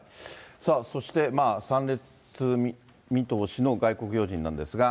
そして、参列見通しの外国要人なんですが。